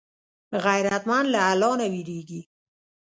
غیرتمند له الله نه وېرېږي